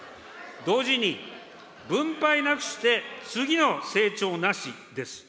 同時に、分配なくして次の成長なしです。